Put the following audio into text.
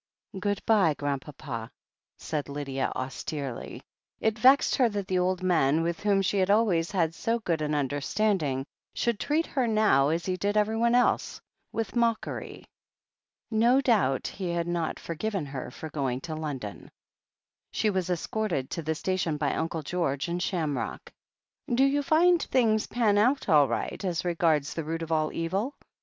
"Good bye, Grandpapa," said Lydia austerely. It vexed her that the old man, with whom she had always had so good an understanding, should treat her now, as he did everyone else, with mockery. No doubt he had not forgiven her for going to London. She was escorted to the station by Uncle George and Shamrock. "Do you find things pan out all right, as regards the root of all evil